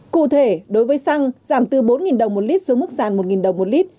cụ thể đối với xăng giảm từ bốn đồng một lit xuống mức sàn một đồng một lit